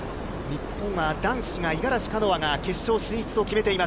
日本は男子が五十嵐カノアが決勝進出を決めています。